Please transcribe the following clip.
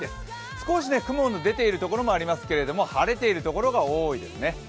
少し雲の出ているところもありますが晴れているところが多いですね。